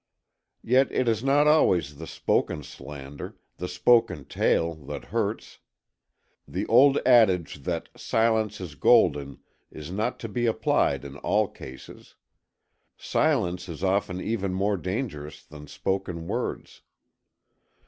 Yet it is not always the spoken slander, the spoken tale, that hurts. The old adage that "silence is golden" is not to be applied in all cases. Silence is often even more dangerous than spoken words.